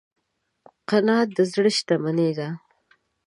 قناعت د زړه شتمني ده.